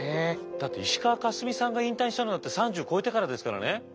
だって石川佳純さんが引退したのだって３０超えてからですからね。